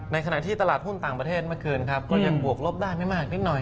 ขณะที่ตลาดหุ้นต่างประเทศเมื่อคืนครับก็ยังบวกลบได้ไม่มากนิดหน่อย